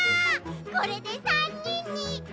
これで３にんに。